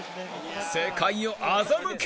世界を欺け！